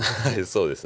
そうです。